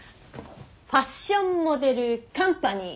ファッションモデルカンパニーＦＭＣ！